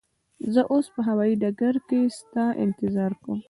زه اوس به هوایی ډګر کی ستا انتظار کوم.